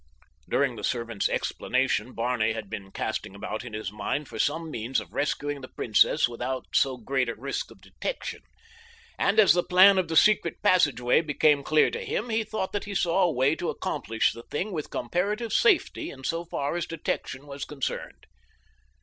During the servant's explanation Barney had been casting about in his mind for some means of rescuing the princess without so great risk of detection, and as the plan of the secret passageway became clear to him he thought that he saw a way to accomplish the thing with comparative safety in so far as detection was concerned.